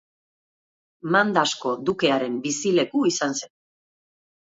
Mandasko dukearen bizileku izan zen.